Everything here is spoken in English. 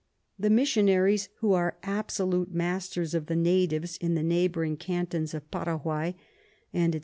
The Missionaries, who are absolute Masters of the Natives in the neighbouring Cantons of Paraguay, &c.